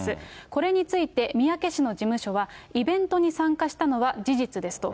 これについて、三宅氏の事務所は、イベントに参加したのは事実ですと。